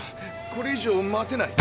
これ以上待てない。